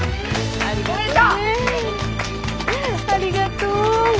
ありがとう。